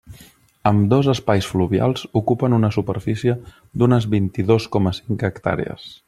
Ambdós espais fluvials ocupen una superfície d'unes vint-i-dos coma cinc hectàrees.